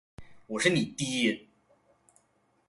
我是你爹！